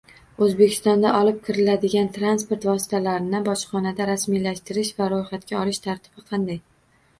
O’zbekistonga olib kiriladigan transport vositalarini bojxonada rasmiylashtirish va ro’yxatga olish tartibi qanday?